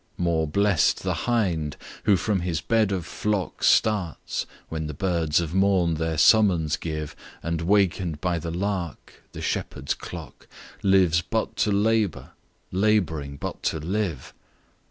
More blest the hind, who from his bed of flock Starts when the birds of morn their summons give, And waken'd by the lark " the shepherd's clock," Lives but to labour labouring but to live.